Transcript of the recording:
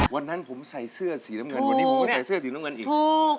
วันนั้นผมใส่เสื้อสีน้ำเงินวันนี้ผมก็ใส่เสื้อสีน้ำเงินอีก